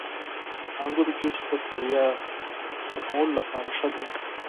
• د انګورو جوس د ستړیا ختمولو لپاره ښه دی.